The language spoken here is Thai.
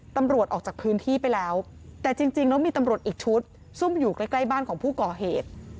ตำรวจออกจากพื้นที่ไปแล้วแต่จริงแล้วมีตำรวจอีกชุดซุ่มอยู่ใกล้บ้านของผู้ก่อเหตุ